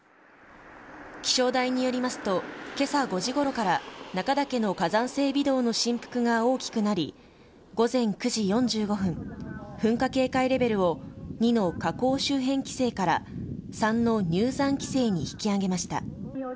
気象台によりますと今朝５時ごろから中岳の火山性微動の振幅が大きくなり午前９時４５分噴火警戒レベルを２の火口周辺規制から３の入山規制に引き上げました。